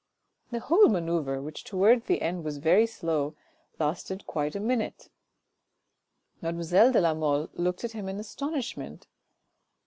The whole manoeuvre, which towards the end was very slow, lasted quite a minute ; mademoiselle de la Mole looked at him in astonishment.